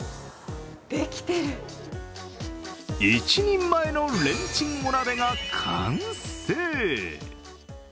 １人前のレンチンお鍋が完成。